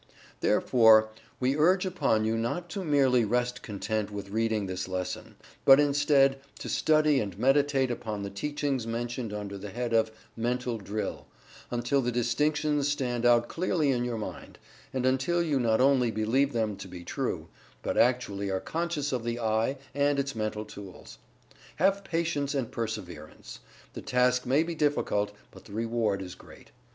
Therefore we urge upon you not to merely rest content with reading this lesson, but, instead, to study and meditate upon the teachings mentioned under the head of "Mental Drill," until the distinctions stand out clearly in your mind, and until you not only believe them to be true, but actually are conscious of the "I" and its Mental Tools. Have patience and perseverance. The task may be difficult, but the reward is great.